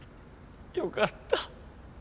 よかった。